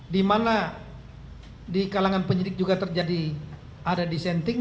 dimana di kalangan penyidik juga terjadi ada dissenting